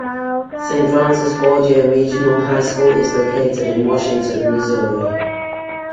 Saint Francis Borgia Regional High School is located in Washington, Missouri.